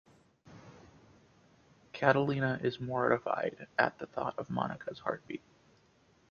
Catalina is mortified at the thought of Monica's heartbreak.